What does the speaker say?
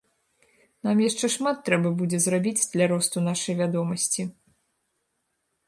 Нам яшчэ шмат трэба будзе зрабіць для росту нашай вядомасці.